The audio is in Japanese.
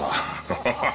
ハハハハ。